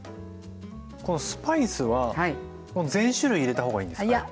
このスパイスはこの全種類入れた方がいいんですかやっぱり。